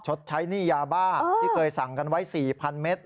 ชดใช้หนี้ยาบ้าที่เคยสั่งกันไว้๔๐๐เมตร